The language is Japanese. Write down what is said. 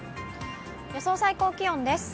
予想最高気温です。